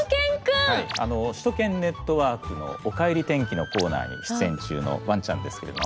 「首都圏ネットワーク」のおかえり天気のコーナーに出演中のわんちゃんですけれども。